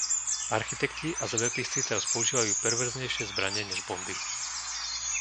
Architekti a zemepisci teraz používajú perverznejšie zbrane než bomby.